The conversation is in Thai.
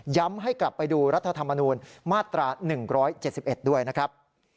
ให้กลับไปดูรัฐธรรมนูญมาตรา๑๗๑ด้วยนะครับ